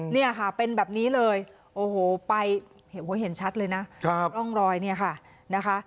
เนี่ยค่ะเป็นแบบนี้เลยโอ้โหไปเห็นชัดเลยนะร่องรอยเนี่ยค่ะนะคะ